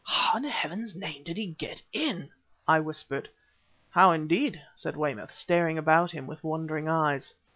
"How in Heaven's name did he get in?" I whispered. "How, indeed!" said Weymouth, staring about him with wondering eyes.